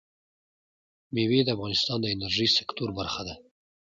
مېوې د افغانستان د انرژۍ سکتور برخه ده.